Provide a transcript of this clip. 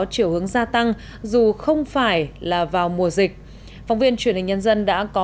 chiều hướng gia tăng dù không phải là vào mùa dịch phóng viên truyền hình nhân dân đã có